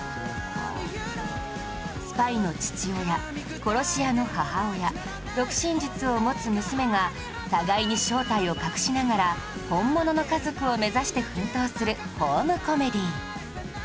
スパイの父親殺し屋の母親読心術を持つ娘が互いに正体を隠しながら本物の家族を目指して奮闘するホームコメディー